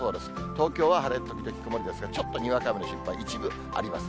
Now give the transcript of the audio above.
東京は晴れ時々曇りですが、ちょっとにわか雨心配、一部あります。